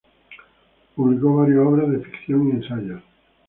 Publicó varias obras de ficción y ensayos.